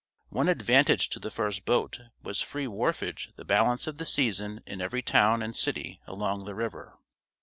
One advantage to the first boat was free wharfage the balance of the season in every town and city along the river.